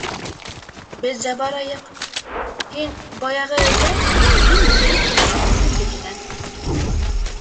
Беҙ ҙә барайыҡ: һин — баяғы эҙҙән, мин йүгереп кенә — үҙемдекенән.